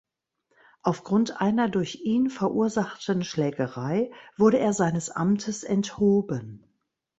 Aufgrund einer durch ihn verursachten Schlägerei wurde er seines Amtes enthoben.